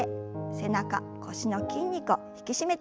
背中腰の筋肉を引き締めていきましょう。